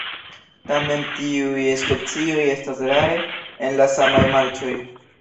Tamen tiuj specioj estas rare en la samaj marĉoj.